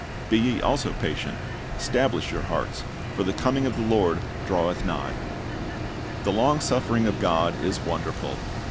Be ye also patient; stablish your hearts; for the coming of the Lord draweth nigh."^ The long suffering of God is wonderful.